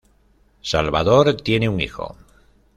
Salvador tiene un hijo.